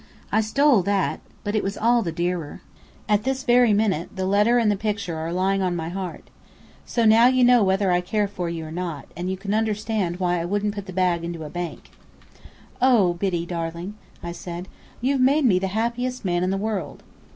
I stole that, but it was all the dearer. At this very minute, the letter and the picture are lying on my heart. So now you know whether I care for you or not; and you can understand why I wouldn't put the bag into a bank." "Oh, Biddy darling," I said, "you've made me the happiest man in the world."